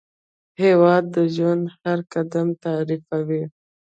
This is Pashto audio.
هېواد د ژوند هر قدم تعریفوي.